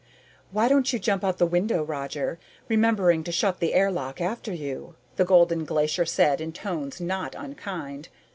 "Why don't you jump out the window, Roger, remembering to shut the airlock after you?" the Golden Glacier said in tones not unkind.